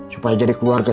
supaya jadi keluarga